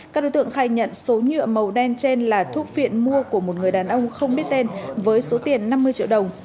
các đối tượng khai nhận số nhựa màu đen trên là thuốc phiện mua của một người đàn ông không biết tên với số tiền năm mươi triệu đồng